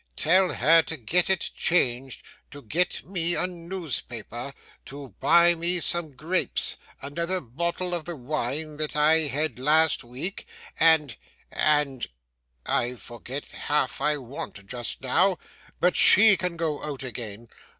'Tell her to get it changed, to get me a newspaper, to buy me some grapes, another bottle of the wine that I had last week and and I forget half I want just now, but she can go out again.